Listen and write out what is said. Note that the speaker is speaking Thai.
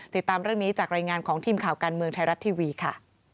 ติดตามเรื่องนี้จากรายงานของทีมข่าวการเมืองไทยรัฐทีวีค่ะ